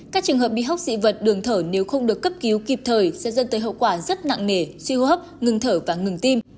các trường hợp bị hốc dị vật đường thở nếu không được cấp cứu kịp thời sẽ dân tới hậu quả rất nặng nề suy hô hấp ngừng thở và ngừng tim